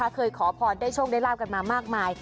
เคยขอพรได้โชคได้ลาบกันมามากมาย